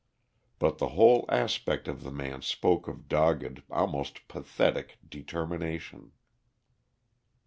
But the whole aspect of the man spoke of dogged, almost pathetic, determination.